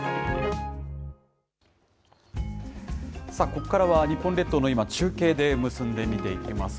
ここからは日本列島の今、中継で結んで見ていきます。